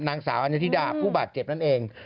นางสาวอนิธิดาผู้บาดเจ็บนั่นเอง